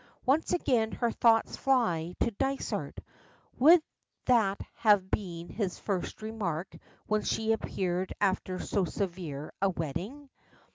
Once again her thoughts fly to Dysart. Would that have been his first remark when she appeared after so severe a wetting?